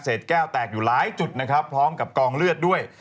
แก้วแตกอยู่หลายจุดนะครับพร้อมกับกองเลือดด้วย